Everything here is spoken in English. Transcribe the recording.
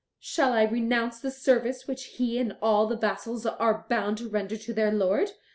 "Shall I renounce the service which he and all the vassals are bound to render to their lord?"